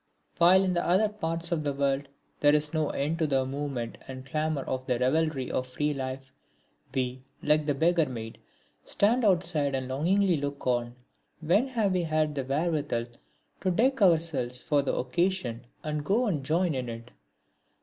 While in other parts of the world there is no end to the movement and clamour of the revelry of free life, we, like the beggar maid, stand outside and longingly look on. When have we had the wherewithal to deck ourselves for the occasion and go and join in it?